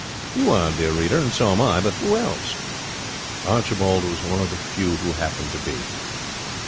You are, dear reader, and so am I, but who else? Archibald was one of the few who happened to be.